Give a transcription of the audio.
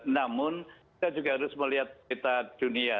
namun kita juga harus melihat kita dunia